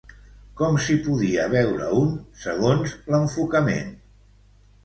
Com s'hi podia veure un, segons l'enfocament?